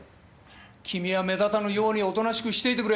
君は目立たぬようにおとなしくしていてくれ。